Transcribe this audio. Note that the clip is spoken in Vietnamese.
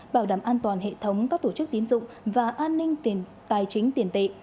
bảo đảm an toàn hệ thống các tổ chức tiến dụng và an ninh tài chính tiền tệ